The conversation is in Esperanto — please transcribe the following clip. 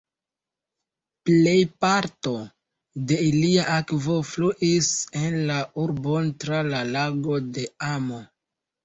Plejparto de ilia akvo fluis en la urbon tra la Lago de Amo.